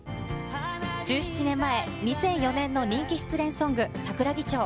１７年前、２００４年の人気失恋ソング、桜木町。